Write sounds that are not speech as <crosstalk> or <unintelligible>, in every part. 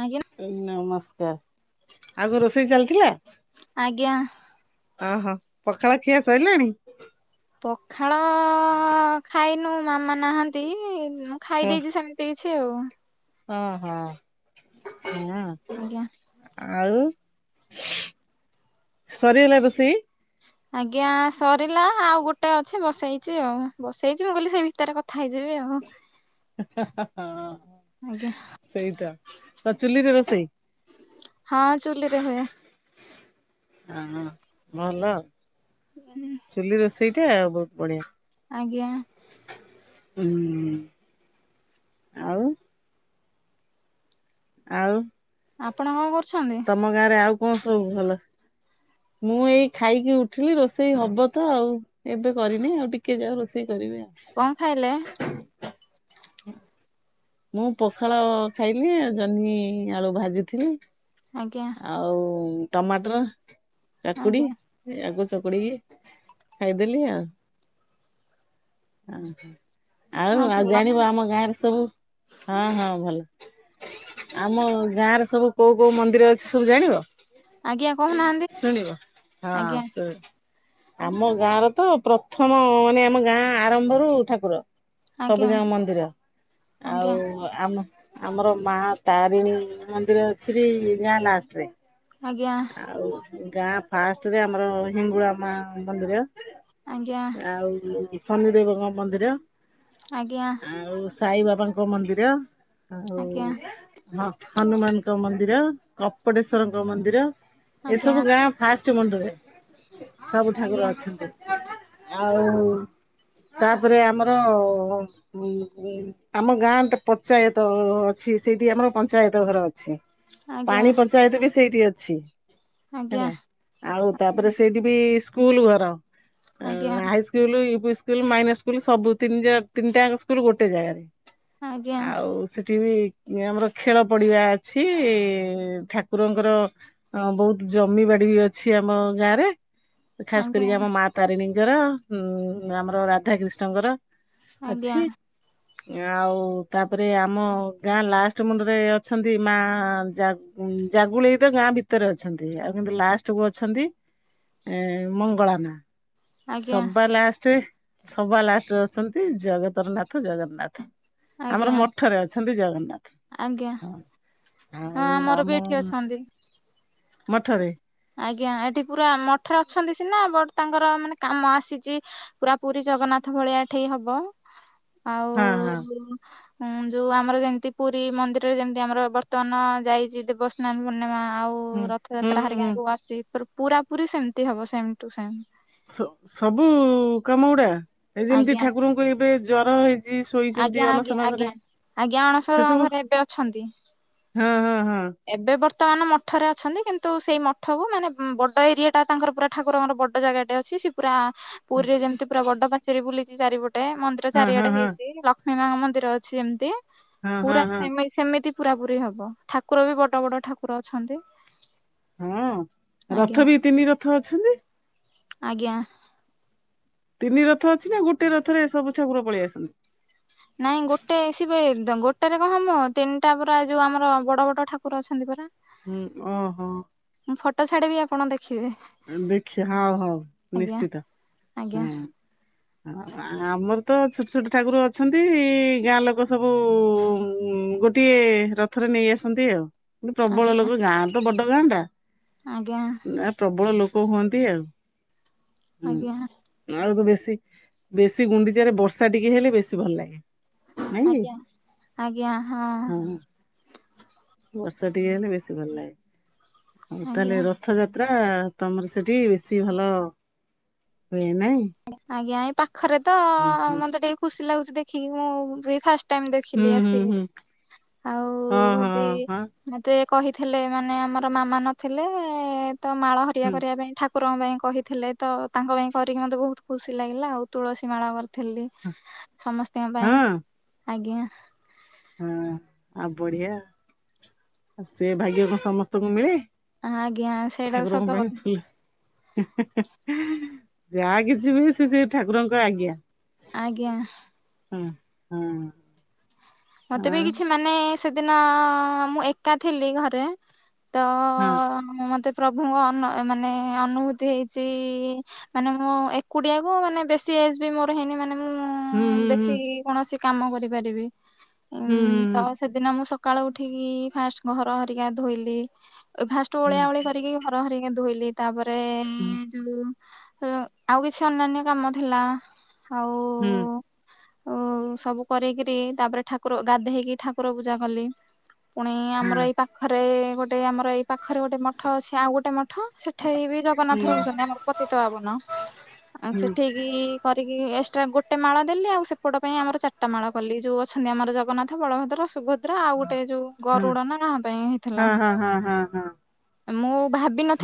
ଆଜ୍ଞା ନମସ୍କାର ଆଗ ରୋଷେଇ ଚାଲିଥିଲା? ଆଜ୍ଞା। ଓହୋ ପଖାଳ ଖିଆ ସରିଲାଣି? ପଖାଳ ଖାଇନୁ ମାମା ନାହାନ୍ତି, ମୁଁ ଖାଇ ଦେଇଛି ସେମିତି କିଛି ଆଉ। ଓହୋ ହ, ଆଜ୍ଞା। ଆଉ। ସରିଗଲା ରୋଷେଇ? ଆଜ୍ଞା ସରିଲା ଆଉ ଗୋଟେ ଅଛି ବସେଇଛି ଆଉ। ବସେଇଛି ମୁଁ କହିଲି ସେଇ ଭିତରେ କଥା ହେଇଯିବି। ଆଉ ହଁ ଆଜ୍ଞା ସେଇତ ତ ଚୁଲିରେ ରୋଷେଇ? ହଁ ଚୁଲିରେ ହୁଏ। ହଁ ଭଲ ଆଉ ଚୁଲି ରୋଷେଇ ସେଇଟା ବହୁତ ବଢିଆ। ଆଜ୍ଞା। ହଁ ଆଉ। ଆଉ। ଆପଣ କଣ କରୁଛନ୍ତି? ତମ <unintelligible> ସବୁ ଭଲ। ମୁଁ ଏଇ ଖାଇକି ଉଠିଲି ରୋଷେଇ ହବ ତ ଆଉ। ଏବେ କରିନି ଆଉ ଟିକେ ଯାାଉ ରୋଷେଇ କରିବି ଆଉ। କଣ ଖାଇଲେ? ମୁଁ ପଖାଳ ଖାଇଲି ଜହ୍ନି ଆଳୁ ଭାଜିଥିଲି। ଆଜ୍ଞା ଆଉ ଟମାଟର କାକୁଡି ଆଜ୍ଞା ଆଗ ଚ ପଡିିକି ଖାଇଦେଲି ଆଉ। ହଁ ଆଉ ଆଉ ଭଲ ନା। ଜାଣିବ ଆମ ଗାଁରେ ସବୁ, ହଁ ହଁ। ଭଲ, ଆମ ଗାଁରେ ସବୁ କୋଉ କୋଉ ମନ୍ଦିର ଅଛି ସବୁ ଜାଣିବ? ଆଜ୍ଞା କହୁନାହାନ୍ତି ଶୁଣିବ ଆଜ୍ଞା ହଁ ଶୁଣିବ। ଆମ ଗାଁ ର ତ ପ୍ରଥମ ମାନେ ଆମ ଗାଁ ଆରମ୍ଭରୁ ଠାକୁର। ଆଜ୍ଞା ସବୁ ଜାଣ ମନ୍ଦିର ଆଜ୍ଞା ଆଉ ଆମ ଆମର ମା ତାରିଣୀ ମନ୍ଦିର ଅଛି ବି ଗାଁ ଲାଷ୍ଟରେ। ଆଜ୍ଞା ଆଉ ଗାଁ ଫାଷ୍ଟ ରେ ଆମର ହିଙ୍ଗୁଳା ମା ମନ୍ଦିର। ଆଜ୍ଞା ଆଉ ଶନି ଦେେବଙ୍କ ମନ୍ଦିର। ଆଜ୍ଞା। ସାଇବାବାଙ୍କ ମନ୍ଦିର। ଆଜ୍ଞା ଆଉ ହଁ ହନୁମାନଙ୍କ ମନ୍ଦିର କପଡେଶ୍ଵରଙ୍କ ମନ୍ଦିର ଆଜ୍ଞା ଏସବୁ ଗାଁ ଫାଷ୍ଟ ପମଣ୍ଡରେ ସବୁ ଠାକୁର ଆଜ୍ଞା ଅଛନ୍ତି। ଆଉ ତାପରେ ଆମର ଆମ ଗାଁଟେ ପଞ୍ଚାୟତ ଅଛି ସେଇଠି ଆମର ପଞ୍ଚାୟତ ଘର ଅଛି। ପାଣି ପଞ୍ଚାୟତ ବି ସେଇଠି ଅଛି। ଆଜ୍ଞା ଆଜ୍ଞା ହେଲା ଆଜ୍ଞା ଆଉ ତାପରେ ସେଇଠି ବି ସ୍କୁଲ ଘର। ହ ଆଜ୍ଞା high school, UP school. School minus school ସବୁ ତିନ୍ ଜାଗା-ତିନିଟା ସ୍କୁଲ ଗୋଟେ ଜାଗାରେ। ଆଜ୍ଞା ଆଉ ସେଠି ବି ଆମର ଖେଳ ପଡିବା ଅଛି ଠାକୁରଙ୍କର ବହୁତ ଜମିବା ଡି ଅଛି ଆମ ଗାଁ ରେ। ଖାସ ଆଜ୍ଞା କରିକି ଆମ ମା ତାରିଣୀଙ୍କର ଉଁ ଆମର ରାଧା କ୍ରୀିଷ୍ଣଙ୍କର। ଆଜ୍ଞା। ଆଉ ତାପରେ ଆମ ଗାଁ ଲାଷ୍ଟ ମୁଣ୍ଡରେ ଅଛନ୍ତି ମା। <unintelligible> ଜାଗୁଳେଇ ତ ଗାଁ ଭିତରେ ଅଛନ୍ତି। ଆଉ କିନ୍ତୁ ଲାଷ୍ଟ କୁ ଅଛନ୍ତି ଏ ମଙ୍ଗଳ ମା। ଆଜ୍ଞା ସବା ଲାଷ୍ଟରେ ସବା ଲାଷ୍ଟରେ ଅଛନ୍ତି ଜଗତର ନାଥ ଜଗନ୍ନାଥ। ଆମର ଆଜ୍ଞା ମଠରେ ଅଛନ୍ତି ଜଗନ୍ନାଥ। ଆଜ୍ଞା ହଁ। ହଁ ଆଉ ଆମର ବି ଆମ ଏଠି ଅଛନ୍ତି। ମଠରେ। ଆଜ୍ଞା। ଏଠି ପୁରା ମଠରେ ଅଛନ୍ତି ସିନା ବଟ ତାଙ୍କର ମାନେ କାମ ଆସିଛି ପୁରା ପୁରୀ ଜଗନ୍ନାଥ ଭଳିଆ ଏ ଠେଇ ହବ। ଆଉ ହଁ ହଁ ଉଁ ଯୋଉ ଆମର ଯେମିତି ପୁରୀ ମନ୍ଦିରରେ ଯେମିତି ଆମର ବର୍ତ୍ତମାନ ଯାଇଛି ଦେବସ୍ନାନ ପୂର୍ଣ୍ଣିମା। ଆଉ ହୁଁ ହୁଁ ରଥଯାତ୍ରା ହାରିକା ହୁଁ। ଙ୍କୁ ଆସୁଚି। ପୁରା ପୁର ସେମିତି ହବ ସେମ ଟୁ ସେମ। ସ ସବୁ କାମ ଗୁଡା ଏ ଯେମିତି ଆଜ୍ଞା ଠାକୁରଙ୍କୁ ଏବେ ଜର ହେଇ ଚି ଶୋଇଛନ୍ତି ଆଜ୍ଞା ଆଜ୍ଞା ଅଣସର ଆଜ୍ଞା ଘରେ ଆଜ୍ଞା ସେ ଅଣସର ସବୁ ଘରେ ଏବେ ଅଛନ୍ତି। ହଁ ହଁ। ହଁ ଏବେ ବର୍ତ୍ତମାନ ମଠରେ ଅଛନ୍ତି। କିନ୍ତୁ ସେଇ ମଠକୁ ମାନେ ବଡ଼ ଏରିଆଟା ତାଙ୍କର ପୁରା ଠାକୁରଙ୍କର ବଡ଼ ଜାଗାଟେ ଅଛି। ସେ ପୁରା ପୁରୀରେ ଯେମିତି ପୁରା ବଡ ପାଚେରୀ ବୁଲିଛି ଚାରିପଟେ ମନ୍ଦିର ହଁ ହଁ ଚାରିଆଡେ ହଁ ହେଇଚି। ଲ ମୀ ମାଙ୍କ ମନ୍ଦିର ଅଛି ଯେମିତି ହଁ ପୁରା ହଁ ହେମି ହେମିତି ପୁରା ପୁରି ହବ। ଠା ଠାକୁର ବି ବଡ଼ ବଡ଼ ଠାକୁର ଅଛନ୍ତି। ହଁ। ଆଜ୍ଞା ରଥ ବି ତିନି ରଥ ଅଛନ୍ତି? ଆଜ୍ଞା। ତିନି ରଥ ଅଛି ନା ଗୋଟେ ରଥରେ ଏ ସବୁ ଠାକୁର ପଳେଇ ଆସନ୍ତି? ନାଇଁ ଗୋଟେ ସିବେ ଗୋଟେ ରେ କଣ ହବ। ତିନିଟା ପୁରା ଯୋଉ ଆମର ବଡ ବଡ ଠାକୁର ଅଛନ୍ତି ପରା। ହୁଁ ଓ ହୋ। ଫଟୋ ଛାଡିବି ଆପଣ ଦେ ଦେଖି ହଉ ହଉ ଆଜ୍ଞା ନିଶ୍ଚିତ ଆଜ୍ଞା ହୁଁ। ଆମର ତ ଛୋଟ ଛୋଟ ଠାକୁର ଅଛନ୍ତି। ଗାଁ ଲୋକ ସବୁ ଉ ଗୋଟିଏ ରଥରେ ନେଇ ଆସନ୍ତି ଆଉମକିନ୍ତୁ ପ୍ରବଳ ଆଜ୍ଞା ଲୋକ ଗାଁ ତ ବଡ ଗାଁ ଟା। ଆଜ୍ଞା। ପ୍ରବଳ ଲୋକ ହୁଅନ୍ତି ଆଉ। ହୁଁ ଆଜ୍ଞା ଆଉ ତ ବେ ବେଶୀ ଗୁଣ୍ଡିଚାରେ ବର୍ଷା ଟିକେ ହେଲେ ବେଶୀ ଭଲ ଲାଗେ। ନାଇଁ କି ଆଜ୍ଞା ଆଜ୍ଞା ହଁ। ବର୍ଷା ଟିକେ ହେଲେ ବେଶୀ ଭଲ ଲାଗେ। ଆଉ ଆଜ୍ଞା ତାହେଲେ ରଥଯା ପୁରା ତମର ସେଠି ବେଶୀ ଭଲ ହୁଏ ନାଇଁ? ଖରେ ତ ହୁଁ ମତେ ହୁଁ ଟିକେ ଖୁସି ଲାଗୁଚି ଦେଖିକି ମୁଁ ବି ଫାଷ୍ଟ ଷ୍ଟ ଟାଇମ୍ ଦେଖିଲି ହୁଁ ହୁଁ ହୁଁ ଆସିକିରି। ହଁ ଆଉ ହଁ ବି ହଁ ମତେ କହିଥିଲେ। ମାନେ ଆମର ମାମା ନଥିଲେ ତ ମାଳ ହେରିକ ହୁଁ କରିବା ପାଇଁ ଠା କୁରଙ୍କ ପାଇଁ କହିଥିଲେ ତ, ତାଙ୍କ ପାଇଁ କରିକି ମୋତେ ବହୁତ ଖୁସି ଲାଗିଲା ଆଉ। ତୁଳସୀ ମାଳ ଥିଲି ସମସ୍ତଙ୍କ ପାଇଁ ହଁ ଆଜ୍ଞା। ହଁ ଆଉ ବଢିଆ। ସେ ଭାଗ୍ୟ କଣ ସମସ୍ତଙ୍କୁ ମିଳେ। ଆଜ୍ଞା ସେଇଟା ଠାକୁର ଙ୍କ ସତ ପାଇଁ କଥା ଫୁଲ ହେଁ ହେଁ ହେଁ ଯାହା କିଛି ବି ସେ ସେ ଠାକୁରଙ୍କ ଆଜ୍ଞା। ଆଜ୍ଞା। ହଁ ହଁ। ମତେ ବି ଆଉ କିଛି ମାନେ ସେଦିନ ମୁଁ ଏକା ଥିଲି ଘରେ। ତ ହଁ ମତେ ପ୍ରଭୁଙ୍କ ଅନ ମାନେ ଅନୁଭୂତି ହେଇଛି ମାନେ ମୁଁ ଏକୁଟିଆକୁୁ ମାନେ ବେଶୀ ଏଜ୍ ବି ମୋର ହେଇନି ମାନେ ହୁଁ ମୁଁ ବେଶୀ ହୁଁ କୌଣସି କାମ କରିପାରିବି। ତ ହୁଁ ସେଦିନ ମୁଁ ସ ସକାଳୁ ଉଠିକି ଫାଷ୍ଟ ଘର ହେରିକା ଧୋଇଲି। ଫାଷ୍ଟ ହୁଁ ଓଳିଆ ଓଳି କରିକି ଘର ହେରିକି ଧୋଇଲି। ତାପରେ ହୁଁ ଯୋଉ ଆଉ କିଛି ଅନ୍ୟାନ୍ୟ କାମ ଥିଲା। ଆଉ ହୁଁ ଓ ସବୁକରି କିରି ତାପରେ ଠାକୁର ଗାଧେଇକି ଠାକୁର ପୂଜା କଲି। ପୁଣି ହୁଁ ଆମର ଏଇ ପାଖରେ ଗୋଟେ ଆମ ଆମର ଏଇ ପାଖରେ ଗୋଟେ ମଠ ଅଛି। ଆଉ ଗୋଟେ ମଠ ସେଠେଇ ବି ହୁଁ ଜଗନ୍ନାଥ ରହୁଛନ୍ତି, ଆମର ପତିତ ପାବନ। ଆଉ ହୁଁ ହୁଁ ହୁଁ ସେଠେଇକି କରିକି ଗୋଟେ ମାଳ ଦେଲି, ଆଉ ସେପଟ ପାଇଁ ଆମର ଚାରିଟା ମାଳ କଲି। ଯୋଉ ଅଛନ୍ତି ଆମର ଜଗନ୍ନାଥ, ବଳଭଦ୍ର, ସୁଭ ଦ୍ରା ଆଉ ଗୋଟେ ଯୋଉ ଗରୁଡ ନା କାହା ପାଇଁ ହେଇଥିଲା? ହଁ ହଁ ହଁ ହଁ ହଁ ମୁଁ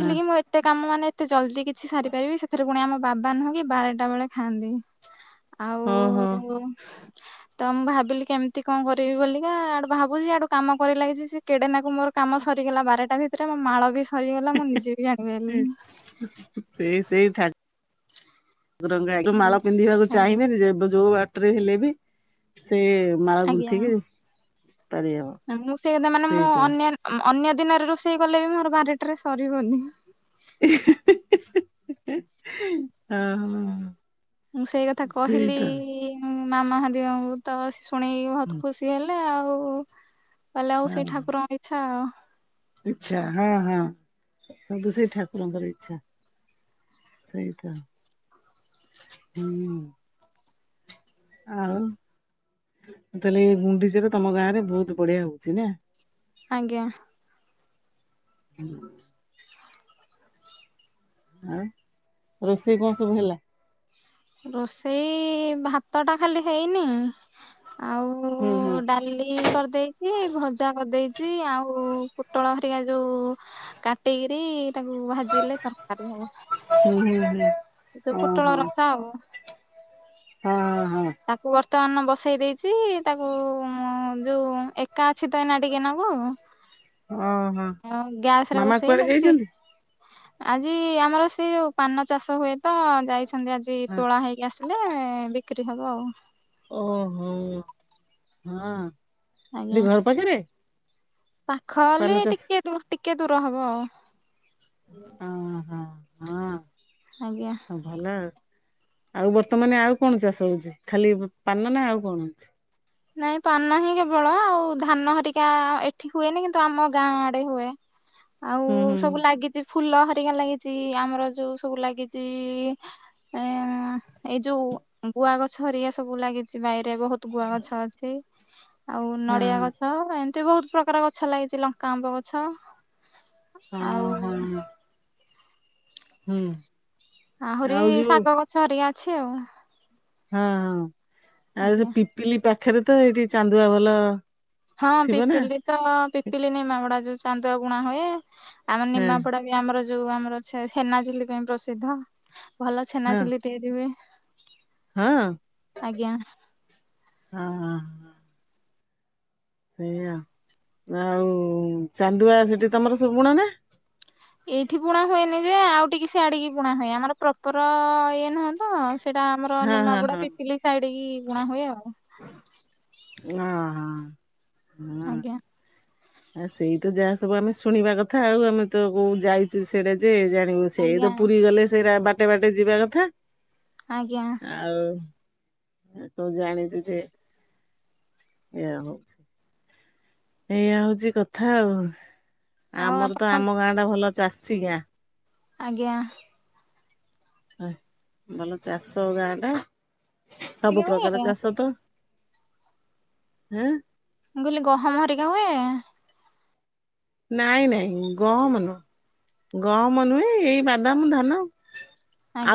ହଁ କି, ମୁଁ ଏତେ କାମ ମାନେ ଏତେ ଜଲ୍ଦି କିଛି ସାରିପାରିବି। ସେଥିରେ ପୁଣି ଆମ ବାବା ନୁହେଁ କି ବାରଟା ବେଳେ ଖାଆନ୍ତି। ଆଉ ଓହୋ ତ ମୁଁ ଭାବିଲି କେମି ତି କଣ କରିବି ବଲିକା ଆଡୁ ଭାବୁଛି, ଆଡୁ କାମ କରି ଲାଗିଛି ସେ କେଡେନାକୁ ମୋର କାମ ସରିଗଲା। ବାରଟା ଭିତରେ ମାଳ ବି ସରିଗଲା ମୁଁ ନିଜେ ବି ଜାଣିପାରିଲିନି। ସେଇ ସେଇ ଙ୍ଗ ଠାକୁରଙ୍କ ଆଜ୍ଞା। ମାଳ ପିନ୍ଧିବାକୁ ଆଜ୍ଞା ଚାହିଁବେନି ଏବେ ଯୋଉ ବା ଟ୍ରେ ହେଲେ ବି ସେ ମାଳ ଆଜ୍ଞା। ଗୁନ୍ଥିକି ପାରିହବ ମୁଁ ସେ କଥା ମାନେ, ମୁଁ ସେଇତ ଅନ୍ୟ ଅନ୍ୟ ଦିନରେ ରୋଷେଇ କଲେ ବି ମୋର ବାରିଟାରେ ସରିବନି। ହଁ- ହଁ। ମୁଁ ସେଇ କଥା କହିଲି ମାମା ହେରିକାଙ୍କୁ ତ ଶୁଣିକି ବହୁତ ଖୁସି ହେଲେ, ଆଉ କହିଲେ ଆଉ ସେଇ ଠାକୁରଙ୍କ ଇଚ୍ଛା ଆଉ। ଇଚ୍ଛା ହଁ- ହଁ ସବୁ ସେଇ ଠାକୁରଙ୍କର ଇଚ୍ଛା। ସେଇ ତ ହୁଁ। ଆଉ। ତାହେଲେ ଏଇ ଗୁଣ୍ଡିଚାରେ, ତମ ଗାଁ ରେ ବହୁତ ବଢିଆ ହଉଛି ନା? ଆଜ୍ଞା। ହୁଁ। ଆଉ ରୋଷେଇ କଣ ସବୁ ହେଲା? ରୋଷେଇ, ଭାତ ଟା ଖାଲି ହେଇନି? ଆଉ ହୁଁ ହୁଁ ଡାଲି କରିଦେଇ ଚି ଭଜା କରିଦେଇଛି, ଆଉ ପୋଟଳ ହରିକା ଯୋଉ କାଟିକିରି ତାକୁ ଭାଜିଲେ ତରକାରୀ ହବ। ହୁଁ - ହୁଁ - ହୁଁ। ଏ ଯୋଉ ଓହୋ ପୋଟଳ ରସା ହବ। ହଁ। ହଁ। ତାକୁ ବର୍ଷ <unintelligible> ବସେଇ ଦେଇଛି ତାକୁ, ଯୋଉ ଏକା ଅଛି ତ ଏଇନା ଟିକେ ନାଗୁ। ଓହୋ ଆଉ ଗ୍ୟାସରେ ମାମା ବସେଇ କୁଆଡେ ତାକୁ ସି ଯାଇଛନ୍ତି? ଆଜି ଆମର ସେ ଯୋଉ ପାନ ଚାଷ ହୁଏ ତ, ଯାଇଛନ୍ତି ଆଜି ହଁ ତୋଳା ହେଇକି ଆସ ହେଲେ ବିକ୍ରି ହବ ଆଉ। ଓ ହୋ ହଁ ଆଜ୍ଞା ସେଠି ଘର ପାଖେରେ। ପାଖ ବୋଲି, ଟିକେ ଟିକେ ଦୂର ହବ ଆଉ। ହଁ- ହଁ -ହଁ ଆଜ୍ଞା। ହ ଭଲ ଆଉ। ଆଉ ବର୍ତ୍ତମାନ ଆଉ କଣ ଚାଷ ହଉଛି, ଖାଲି ପାନ ନା ଆଉ କଣ ହଉଛି? ନାଇଁ ପାନ ହିଁ କେବଳ, ଆଉ ଧାନ ହରିକା ଏଠି ହୁଏନି କିନ୍ତୁ ଆମ ଗାଁ ଆଡେ ହୁଏ। ଆଉ ହୁଁ ହୁଁ ସବୁ ଲାଗିଛି ଫୁଲ ହେରିକା ଲାଗିଛି, ଆମର ଯୋଉ ସବୁ ଲାଗିଛି ଏ ଏଇ ଯୋଉ ଗୁଆ ଗଛ ହେରିକା ସବୁ ଲାଗିଛି ବାଇ ରେ ବହୁତ ଗୁଆ ଗଛ ଅଛି। ଆଉ ହଁ ନଡିଆ ହଁ ଗଛ ଏମ୍ ତି ବହୁତ ପ୍ରକାର ଗଛ ଲାଗିଛି। ଲଙ୍କା, ଆମ୍ବ ଗଛ ଆଉ ହଁ ହଁ ହୁଁ। ଆହୁରି ଆଉ ଯୋଉ ଶାଗ ଗଛ ହେରିକା ଅଛି ଆଉ। ହଁ ଆଉ ସେ ଆଜ୍ଞା। ପିପିଲି ପାଖରେ ତ ଏଇଠି ଚାନ୍ଦୁଆ ଭଲ ହଁ ଥିବ ନା ପିପିଲି ତ ପିପିଲିି ନିମାପଡ଼ା ଯୋଉ ଚାନ୍ଦୁଆ ଗୁଣା ହୁଏ? ଆମର ହଁ ନିମାପଡା ବି ଆମର ଯୋଉ ଆମର ଛେ ହେନା ଝିଲ୍ଲୀ ପାଇଁ ପ୍ରସିଦ୍ଧ। ଭଲ ଛେନା ହଁ ଝିଲ୍ଲୀ ତିଆରିି ହୁଏ। ହଁ ଆଜ୍ଞା। ଅହଁ। ସେଇଆ ଆଉ ଆଉ ଚାନ୍ଦୁଆ ସେଠି ତମର ସବୁ ବୁଣାନା। ଏଇଠି ବୁଣା ହୁଏନି ଯେ ଆଉ ଟିକେ ସିଆଡିକି ବୁଣା ହୁଏ ଆମର ପ୍ରପର ଇଏ ନୁହଁ ତ ସେଇଟା ଆମର ହଁ ହଁ ନିମାପଡା ହଁ ପିପିଲି ସାଇଡ କି ବୁଣା ହୁଏ ଆଉ। ଅହଁ। ଆଜ୍ଞା। ଆ ସେଇ ତ ଯାହା ସବୁ ଆମେ ଶୁଣିବା କଥା ଆଉ ଆମେ ତ କୋଉ ଯାଇଚୁ ସିଆଡେ ଯା ଉ ସେଇତ ଆଜ୍ଞା ପୁରୀ ଗଲେ ସେଇ ରା ବାଟେ ବାଟେ ଯିବା କଥା ଆଜ୍ଞା ଆଉ ଆଉ କୋଉ ଜାଣିଚୁ ଯେ ଏୟା ହୋଉଛି ଏଇଆ ହୋଉଚି କଥା ଆଉ ଆଉ ଆମର ତ ଆପଣ ଆମ ଗାଁ ଟା ଭଲ ଚାଷୀ ଗାଁ। ଆଜ୍ଞା। ଭଲ ଚାଷ ଗାଁଟା ଟିକେ ସବୁ ହୁଏ ପ୍ରକାର ମୁଁ ଚାଷ ତ ହୁଁ। ମୁଁ କହିଲି ଗହମ ହେରିକା ହୁଏ। ନାଇଁ ନାଇଁ ଗହମ ନୁହଁ ଗହମ ନୁହେଁ ଏଇ ବାଦାମ ଧାନ।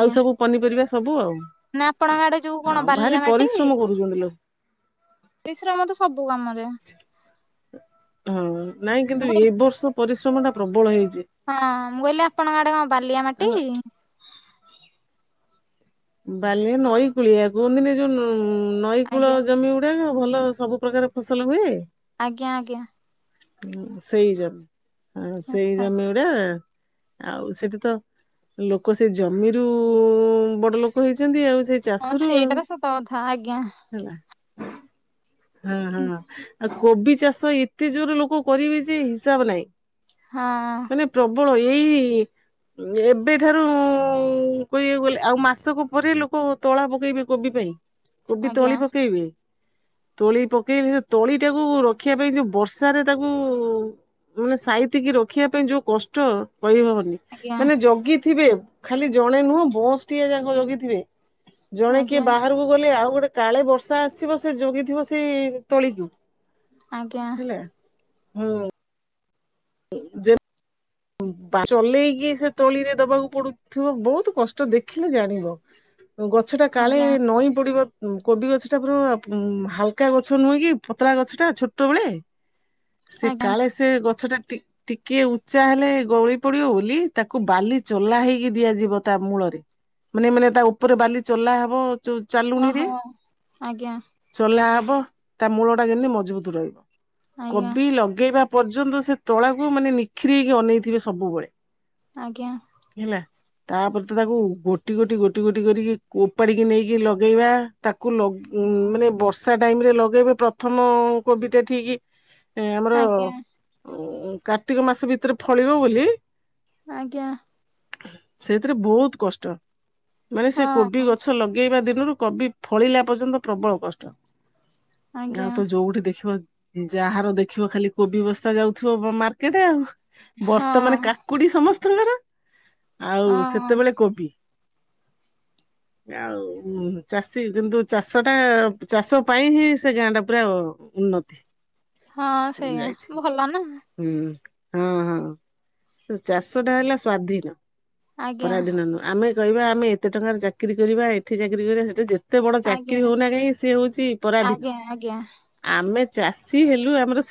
ଆଉ ସବୁ ପନିପରିବା ସବୁ ଆଉ। ନା ଆପଣଙ୍କ ଆଡେ ଯୋଉ କଣ ହଁ ବାଲିଆ ଭାରି ପରିଶ୍ରମ କରୁଚନ୍ତି ଲୋ ପରିଶ୍ରମତ ସବୁ କାମରେ ହଁ ନାଇଁ ମୁଁ କିନ୍ତୁ କହିଲି ଏ ବର୍ଷ ପରିଶ୍ରମ ଟା ପ୍ରବଳ ହେଇ ହଁ ମୁଁ କହିଲି ଆପଣଙ୍କ ଆଡେ କଁ ବାଲିଆ ମାଟି। ହେଲା ବାଲି ନଈ କୂଳିଆ କୁହନ୍ତିନି ଯୋଉ ନ ନଈ କୂଳ ଆଜ୍ଞା ଜମି ଗୁଡାକ। ଭଲ ସବୁ ପ୍ରକାର ଫସଲ ହୁଏ। ଆଜ୍ଞା ଆଜ୍ଞା। ହୁଁ ସେଇ ଜମି ହଁ ସେଇ ଜମି ଗୁଡା ଆଉ ସେଠି ତ ଲୋକୋ ସେ ଜମିରୁ ବଡ ଲୋକୋ ହେଇଛନ୍ତି ଆଉ ସେଇ ହଁ ଚାଷୁରୁ ସେଇଟା ଆଉ ତ ସତ କଥା ଆଜ୍ଞା ହେଲା। ହୁଁ ହୁଁ ଆଉ କୋବି ଚାଷ ଏତେ ଜୋରୋ ଲୋକୋ କରିବେ ଯେ ହିସାବ ନାହିଁ। ହଁ ମାନେ ପ୍ରବଳ ଏଇ ଏବେଠାରୁ କହିବାକୁ ଗଲେ ଆଉ ମାସକ ପରେ ଲୋକୋ ତଳା ପକେଇବେ କୋବି ପାଇଁ। କୋବି ଆଜ୍ଞା ତଳି ପକେଇବି। ତୋଳି ପକେଇ ସେ ତଳି ଟାକୁ ରଖିବା ପାଇଁ ଯୋଉ ବର୍ଷାରେ ତାକୁ ମାନେ ସାଇତିକି ରଖିବା ପାଇଁ ଯୋଉ କଷ୍ଟ। କହିହବନି ଆଜ୍ଞା। ମାନେ ଜଗିଥିବେ ଖାଲି ଜଣେ ନୁହଁ ବଂସ୍ ଟିଏ ଯାକ ଜଗିଥିବେ। ଜଣେ କିଏ ଆଜ୍ଞା ବାହାରକୁ ଗଲେ ଆଉ ଗୋଟେ କାଳେ ବର୍ଷା ଆସିିବ ସେ ଜଗିଥିବ ସେଇ ତଳିକୁ। ଆଜ୍ଞା। ହେଲା। ହୁଁ। <unintelligible> ବା ଚଲେଇକି ସେ ତୋଳିରେ ଦବାକୁ ପଡୁଥିବ ବୋହୁତ କଷ୍ଟ ଦେଖିଲେ ଜାଣିବ। ଉଁ ଗଛ ଟା କାଳେ ଆଜ୍ଞା ନଈଁ ପଡିବ। ଉଁ କୋବି ଗଛ ଟା ପୁରାଆ ଉଁ ହାଲକା ଗଛ ନୁହେଁକି ପତଳା ଗଛ ଟା ଛୁଟୋ ବେଳେ। ସେ ଆଜ୍ଞା କାଳେ ସେ ଗଛ ଟା ଟି ଟିକିଏ ଉ ଞ୍ଚା ହେଲେ ଗଉଳି ପଡିବ ବୋଲି ତାକୁ ବାଲି ଚଲା ହେଇକି ଦିଆଯିବ ତା ମୂଳରେ। ମାନେ ମାନେ ତା ଓପୋରେ ବାଲି ଚଲା ହବ। ଯୋଉ ଚାଲୁଣିିରେ ଓହୋ ଆଜ୍ଞା ଚଲାହବ ତା ମୂଳ ଟା ଯେନ୍ତି ମଜବୁତ୍ ରହିବ। ଆଜ୍ଞା କୋବି ଲଗେଇବା ପର୍ଯ୍ୟନ୍ତ ସେ ତଳାକୁ ମାନେ ନିଖିରେଇକି ଅନେଇଥିବେ ସବୁବେଳେ। ଆଜ୍ଞା। ହେଲା ତାପରେ ତ ତାକୁ ଗୋଟି ଗୋଟି ଗୋଟି ଗୋଟି କରିକି ଓପାଡିକି ନେଇକି ଲଗେଇବା, ତାକୁ ଲଗେ ଉମ୍ ମାନେ ବର୍ଷା ଟାଇମରେ ଲଗେଇବେ ପ୍ରଥମ କୋବିଟା ଠିକି ଏଁ ଆମର, ଆଜ୍ଞା କାର୍ତ୍ତିକ ମାସ ଭିତରେ ଫଳିବ ବୋଲି ଆଜ୍ଞା। ସେଇଥିରେ ବହୁତ କଷ୍ଟ। ମାନେ ସେ ହଁ କୋବି ଗଛ ଲଗେଇବା ଦିନରୁ କୋବି ଫଳିଲା ପର୍ଯ୍ୟନ୍ତ ପ୍ରବଳ କଷ୍ଟ। ଆଜ୍ଞା ଗାଁରେ ତ ଯୋଉଠି ଦେଖିବ ଯାହାର ଦେଖିବ ଖାଲି କୋବି ବସ୍ତା ଯାଉଥିବ ବ ମାର୍କେଟ ଆଉ। ବର୍ତ୍ତମାନ ହଁ କାକୁଡି ସମସ୍ତଙ୍କର, ଆଉ ହଁ ସେତେବେଳେ କୋବି। ହଁ ଆଉ ଚାଷୀ କିନ୍ତୁ ଚାଷଟା ଚାଷ ପାଇଁ ହିଁ ସେ ଗାଁଟା ପୁରା ଅ ଅ ଉନ୍ନତି। ହଁ ମୁଁ ସେଇଆ ଯାଇଛି, ଭଲ ନା ହୁଁ। ହଁ ହଁ ଚାଷଟା ହେଲା ସ୍ଵାଧୀନ, ଆଜ୍ଞା ପରାଧୀନ ନୁହଁ। ଆମେ ରହିବା, ଆମେ ଏତେ ଟଙ୍କାରେ ଚାକିରୀ କରିବା, ଏଠି ଚାକିରୀ କରିବା, ସେଟି ଯେତ ତେ ବଡ ଆଜ୍ଞା ଚାକିରୀ ହଉନା କାହିଁକି ସେ ହଉଛି ପରାଧୀନ। ଆଜ୍ଞା ଆଜ୍ଞା ଆମେ ଚାଷୀ ଚାଷୀ ହେଲୁ ଆମର ସୁ